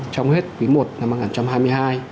trong hết quý i năm hai nghìn hai mươi hai